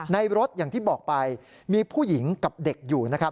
ในรถอย่างที่บอกไปมีผู้หญิงกับเด็กอยู่นะครับ